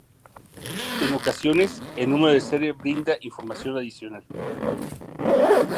En ocasiones, el número de serie brinda información adicional.